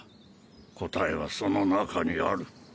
答えはその中にある。